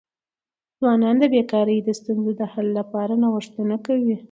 ځوانان د بېکاری د ستونزو د حل لپاره نوښتونه کوي.